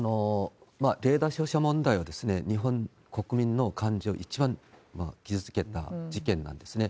レーダー照射問題は日本国民の感情を一番傷つけた事件なんですね。